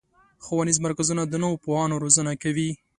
ښوونیز مرکزونه د نوو پوهانو روزنه کوي.